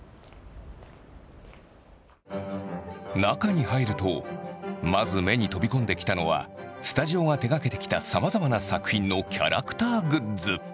中に入るとまず目に飛び込んできたのはスタジオが手がけてきたさまざまな作品のキャラクターグッズ。